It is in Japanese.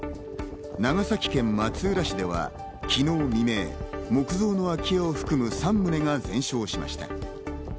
長崎県松浦市では、昨日未明、木造の空き家を含む３棟が全焼しました。